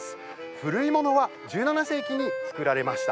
古いものは１７世紀に造られました。